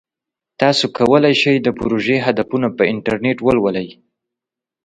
تاسو کولی شئ د پروژې هدفونه په انټرنیټ ولولئ.